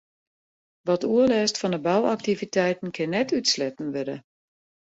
Wat oerlêst fan 'e bouaktiviteiten kin net útsletten wurde.